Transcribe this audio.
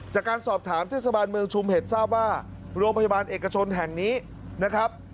จากการสอบถามเทศบาลเมืองชุมเห็ดทราบว่าโรงพยาบาลเอกชนแห่งนี้นะครับ